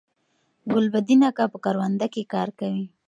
ګلبدین اکا په کرونده کی کار کوي